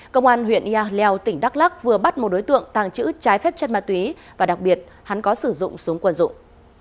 công an huyện yà leo tỉnh đắk lắc vừa bắt một đối tượng tàng trữ trái phép chất ma túy và đặc biệt hắn có sử dụng súng quân dụng